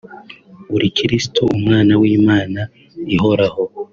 Uri Kristo Umwana w’Imana Ihoraho